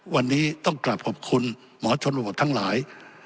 วันนี้ต้องกลับขอบคุณหมอชนโหวตทั้งหลาย